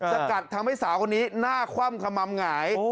สกัดทำให้สาวคนนี้หน้าคว่ำขม่ำหงาย